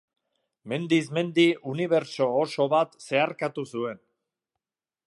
Mendiz mendi unibertso oso bat zeharkatu zuen.